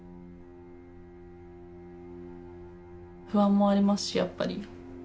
不安もありますしやっぱり。